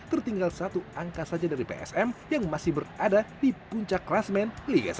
tertinggal satu angka saja dari psm yang masih berada di puncak klasmen liga satu